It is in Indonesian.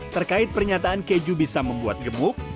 terkait pernyataan keju bisa membuat gemuk